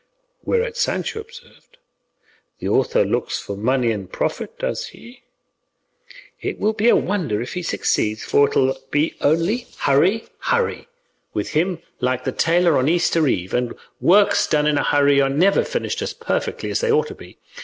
Whereat Sancho observed, "The author looks for money and profit, does he? It will be a wonder if he succeeds, for it will be only hurry, hurry, with him, like the tailor on Easter Eve; and works done in a hurry are never finished as perfectly as they ought to be.